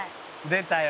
「出たよ」